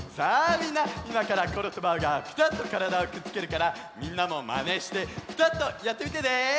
みんないまからコロとバウがぴたっとからだをくっつけるからみんなもまねしてぴたっとやってみてね！